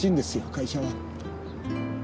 会社は。